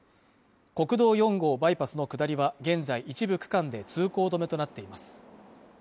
国道４号バイパスの下りは現在一部区間で通行止めとなっています